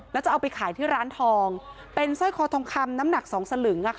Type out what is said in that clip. แล้วจะเอาไปขายที่ร้านทองเป็นสร้อยคอทองคำน้ำหนัก๒สลึง